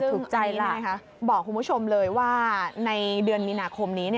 ซึ่งอันนี้นะคะบอกคุณผู้ชมเลยว่าในเดือนมีนาคมนี้